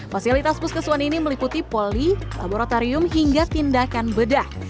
fasilitas puskesuan ini meliputi poli laboratorium hingga tindakan bedah